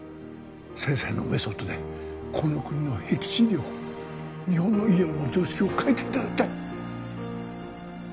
先生のメソッドでこの国のへき地医療を日本の医療の常識を変えていただきたい